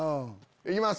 行きます。